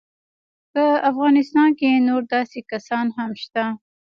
په افغانستان کې نور داسې کسان هم شته.